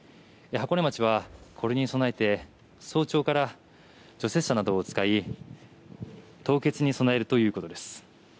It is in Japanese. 箱根町はこれに備えて早朝から除雪車などを使い凍結に備えるということです。